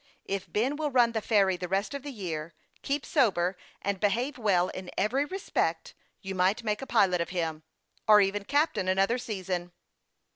If Ben will run the ferry the rest of the year, keep sober, and behave well in every respect, you might make a pilot of him, or even captain, another season."